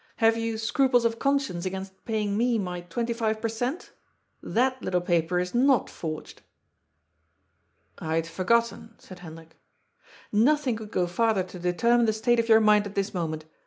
Have you scruples of conscience against paying me my twenty five per cent.? That little paper is not forged." " I had forgotten," said Hendrik. "Nothing could go farther to determine the state of your mind at this moment.